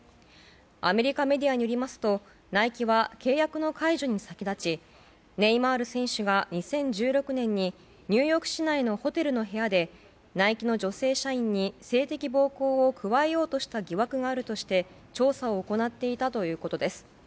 アメリカメディアによりますとナイキは契約の解除に先立ちネイマール選手が２０１６年にニューヨーク市内のホテルの部屋でナイキの女性社員に性的暴行を加えようとした疑惑があるとして調査を行っていたということです。